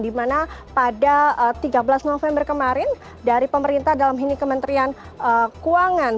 di mana pada tiga belas november kemarin dari pemerintah dalam hal ini kementerian keuangan